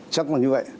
chắc là như vậy